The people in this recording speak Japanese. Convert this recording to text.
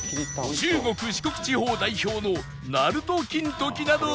中国・四国地方代表のなると金時などあるが